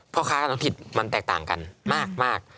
พ่อค้ากับน้องทิศมันแตกต่างกันมาก